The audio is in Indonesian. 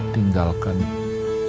tinggalkan semua di sini